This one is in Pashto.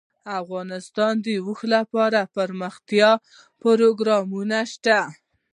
افغانستان کې د اوښ لپاره دپرمختیا پروګرامونه شته.